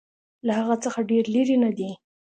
له هغه څخه ډېر لیري نه دی.